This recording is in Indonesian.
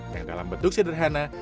yang dalam bentuk sederhana